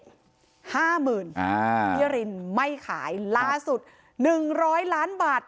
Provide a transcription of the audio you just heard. ห้ามื่นอ่าพี่รินไม่ขายล่าสุดหนึ่งร้อยล้านบาท